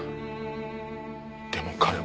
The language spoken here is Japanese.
でも彼は。